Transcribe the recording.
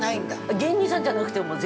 ◆芸人さんじゃなくても。